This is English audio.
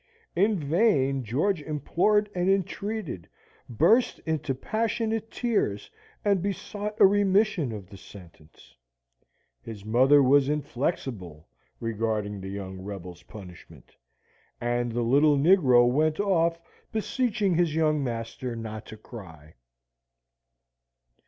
In vain George implored and entreated burst into passionate tears, and besought a remission of the sentence. His mother was inflexible regarding the young rebel's punishment, and the little negro went off beseeching his young master not to cry.